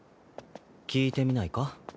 聞いてみないか？